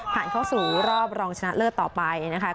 เข้าสู่รอบรองชนะเลิศต่อไปนะคะ